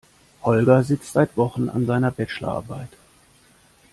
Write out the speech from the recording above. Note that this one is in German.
Holger sitzt seit Wochen an seiner Bachelor Arbeit.